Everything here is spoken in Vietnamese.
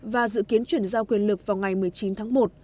và dự kiến chuyển giao quyền lực vào ngày một mươi chín tháng một